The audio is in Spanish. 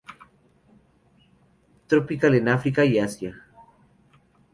Tropical en África y Asia.